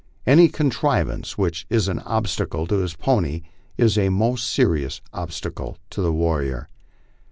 Any contrivance which is an obstacle to his pony is a most serious obstacle to the warrior.